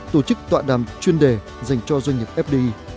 tổ chức tọa đàm chuyên đề dành cho doanh nghiệp fdi